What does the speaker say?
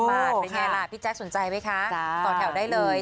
เป็นไงล่ะพี่แจ๊คสนใจไหมคะต่อแถวได้เลย